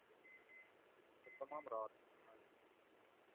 سہۤ تمام رات پھنگنش